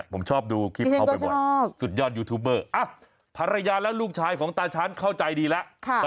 ผมชอบดูคลิปเขาบ่อยสุดยอดยูทูบเบอร์ภรรยาและลูกชายของตาชั้นเข้าใจดีแล้ว